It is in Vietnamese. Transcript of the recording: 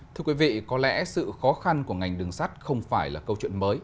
thưa quý vị có lẽ sự khó khăn của ngành đường sắt không phải là câu chuyện mới